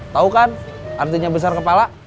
tau kan artinya besar kepala